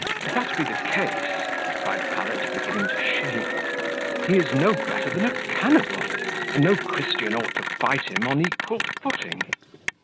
"If that be the case," cried Pallet, beginning to shake, "he is no better than a cannibal, and no Christian ought to fight him on equal footing."